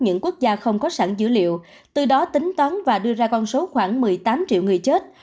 những quốc gia không có sẵn dữ liệu từ đó tính toán và đưa ra con số khoảng một mươi tám triệu người chết